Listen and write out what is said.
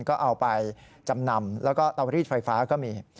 ก็เอาไปจำนำแล้วก็เตารีดไฟฟ้าก็มี